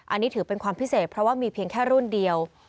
อันนี้ถือเป็นความพิเศษเพราะว่ามีเพียงแค่รุ่นเดียว